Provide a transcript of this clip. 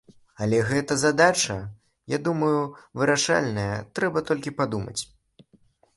Але гэта задача, я думаю, вырашальная, трэба толькі падумаць.